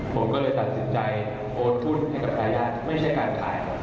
ผมก็เลยตัดสินใจโอนทุนให้กับอาญาไม่ใช่การขาย